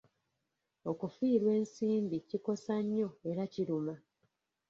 Okufiirwa ensimbi kikosa nnyo era kiruma.